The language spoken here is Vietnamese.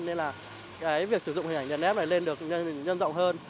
nên là việc sử dụng hình ảnh đèn led này lên được nhân rộng hơn